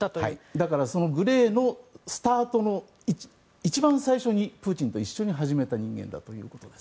だからそのグレーのスタートの一番最初にプーチンと一緒に始めた人間ということです。